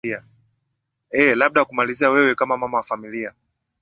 ee labda kwa kumalizia wewe kama mama wa familia